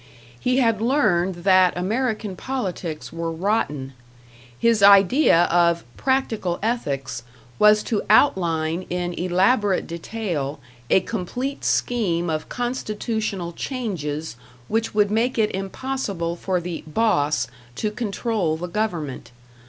He had learned that American politics were rotten; his idea of "Practical Ethics" was to outline in elaborate detail a complete scheme of constitutional changes which would make it impossible for the "boss" to control the government.